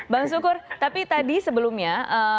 bang sukur tapi tadi sebelumnya